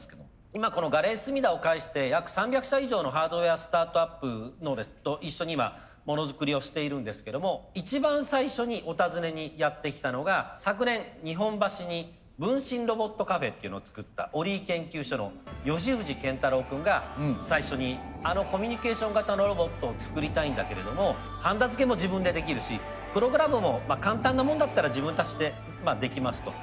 今このガレージスミダを介して約３００社以上のハードウエアスタートアップと一緒に今モノづくりをしているんですけども一番最初にお尋ねにやって来たのが昨年日本橋に分身ロボットカフェっていうのを作ったオリィ研究所の吉藤健太朗君が最初にあのコミュニケーション型のロボットを作りたいんだけれどもはんだ付けも自分でできるしプログラムも簡単なもんだったら自分たちでできますと。